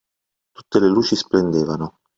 Tutte le luci splendevano.